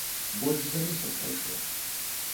Больш за месяц прайшло.